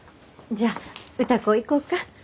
じゃあ歌子行こうか。